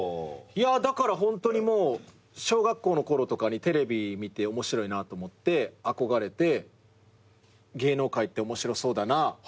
いやだからホントにもう小学校のころとかにテレビ見て面白いなと思って憧れて芸能界って面白そうだなぁ。